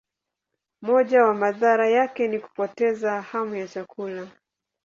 Moja ya madhara yake ni kupoteza hamu ya chakula.